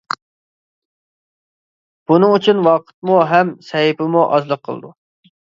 بۇنىڭ ئۈچۈن ۋاقىتمۇ ھەم سەھىپىمۇ ئازلىق قىلىدۇ.